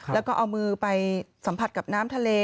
แล้วก็เอามือไปสัมผัสกับน้ำทะเล